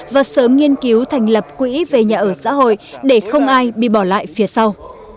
và sớm nghiên cứu thành lập quỹ về nhà ở xã hội để không ai bị bỏ lại phía sau